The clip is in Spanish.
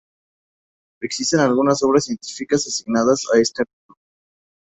Existen algunas obras científicas asignadas a este autor.